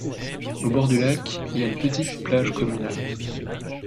Au bord du lac il y a une petite plage communale.